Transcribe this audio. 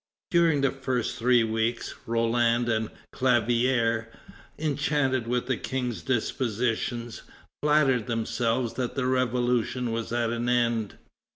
During the first three weeks, Roland and Clavière, enchanted with the King's dispositions, flattered themselves that the Revolution was at an end.